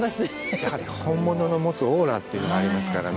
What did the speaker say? やはり本物の持つオーラっていうのがありますからね。